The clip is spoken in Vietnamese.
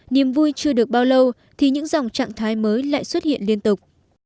niềm vui chưa được bao lâu thì những dòng trạng thái mới lại xuất hiện liên tục